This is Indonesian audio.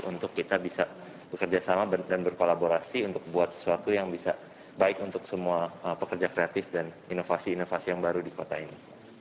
untuk kita bisa bekerja sama dan berkolaborasi untuk buat sesuatu yang bisa baik untuk semua pekerja kreatif dan inovasi inovasi yang baru di kota ini